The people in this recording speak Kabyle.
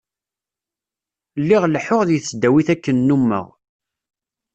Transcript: Lliɣ leḥḥuɣ deg tesdawit akken nummeɣ.